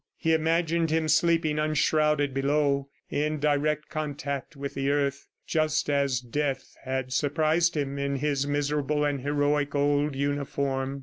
He imagined him sleeping unshrouded below, in direct contact with the earth, just as Death had surprised him in his miserable and heroic old uniform.